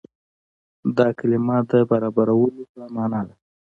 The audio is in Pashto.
دا کلمه د برابرولو په معنا ده.